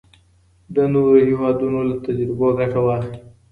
د نورو هیوادونو له تجربو ګټه واخلئ.